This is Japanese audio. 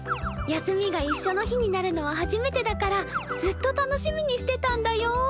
休みがいっしょの日になるのは初めてだからずっと楽しみにしてたんだよ。